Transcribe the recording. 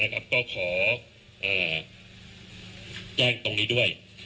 ก็ขอแจ้งตรงนี้ด้วย